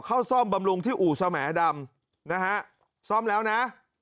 ซ่อมบำรุงที่อู่สแหมดำนะฮะซ่อมแล้วนะ